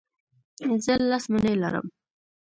زه لس مڼې لرم.